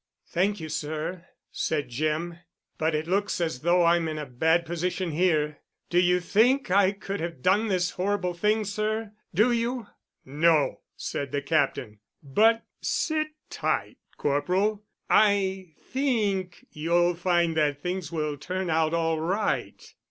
"Thank you, sir," said Jim, "but it looks as though I'm in a bad position here. Do you think I could have done this horrible thing, sir? Do you?" "No," said the Captain, "but sit tight, Corporal. I think you'll find that things will turn out all right."